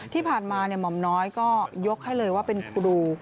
ที่ผ่านมาหม่อมน้อยก็ยกให้เลยว่าเป็นครู